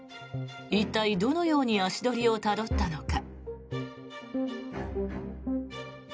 一体、どのように足取りをたどったのか。